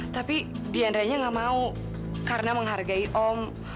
tapi diantaranya nggak mau karena menghargai om